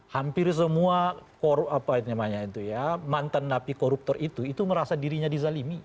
hampir semua mantan napi koruptor itu itu merasa dirinya dizalimi